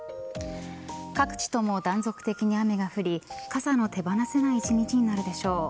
各地とも断続的に雨が降り傘の手放せない１日になるでしょう。